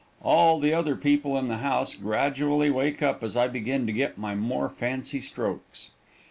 All the other people in the house gradually wake up as I begin to get in my more fancy strokes.